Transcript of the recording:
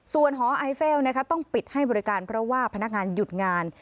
ส่วนหอไอเฟลต้องปิดให้บริการเพราะว่าพนักงานหยุดงาน